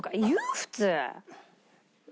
普通。